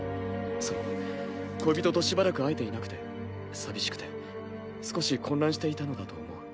その恋人としばらく会えていなくて寂しくて少し混乱していたのだと思う。